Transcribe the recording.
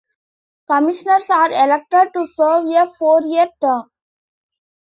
Commissioners are elected to serve a four-year term.